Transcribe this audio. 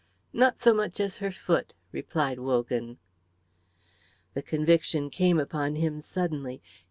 "Not so much as her foot," replied Wogan. The conviction came upon him suddenly.